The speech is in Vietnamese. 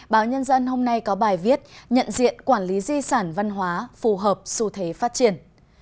báo nhân dân hôm nay có bài viết nhận diện quản lý di sản văn hóa phù hợp xu thế phát triển